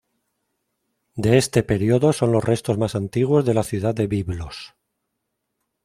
De este periodo son los restos más antiguos de la ciudad de Biblos.